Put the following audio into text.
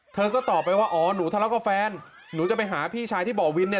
เธอก็ตอบไปว่าอ๋อหนูทะเลาะกับแฟนหนูจะไปหาพี่ชายที่บ่อวินเนี่ย